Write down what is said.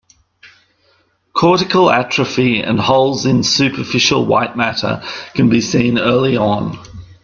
Cortical atrophy and holes in superficial white matter can be seen early on.